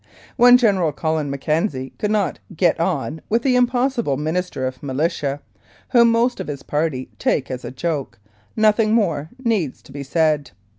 When General Colin McKenzie could not " get on " with the impossible Minister of Militia, whom most of his party take as a joke, nothing more needs to be said.